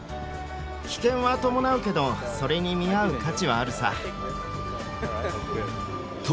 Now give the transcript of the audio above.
危険は伴うけどそれに見合う価値はあるさ。と